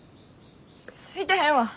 すすいてへんわ！